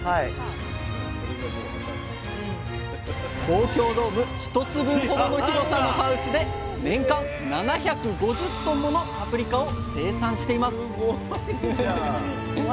東京ドーム１つ分ほどの広さのハウスで年間７５０ｔものパプリカを生産しています